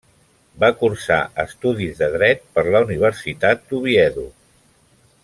Va cursar estudis de Dret per la Universitat d'Oviedo.